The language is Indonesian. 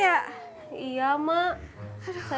jangan sampai ada yang mau nyasar